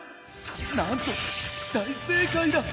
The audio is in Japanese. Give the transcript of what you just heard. なんと大正かいだ！」。